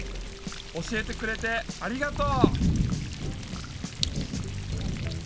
教えてくれてありがと！